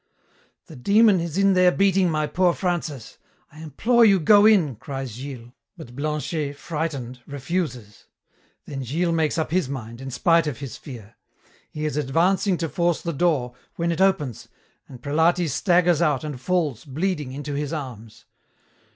"The Demon is in there beating my poor Francis. I implore you, go in!" cries Gilles, but Blanchet, frightened, refuses. Then Gilles makes up his mind, in spite of his fear. He is advancing to force the door, when it opens and Prelati staggers out and falls, bleeding, into his arms.